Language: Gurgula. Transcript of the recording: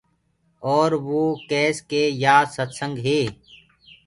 اور وو ڪيس ڪي يآر ستسنگ هي۔